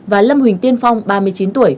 và lâm huỳnh tiên phong ba mươi chín tuổi